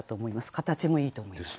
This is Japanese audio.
形もいいと思います。